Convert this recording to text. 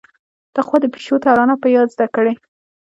تقوا د پيشو ترانه په ياد زده کړيده.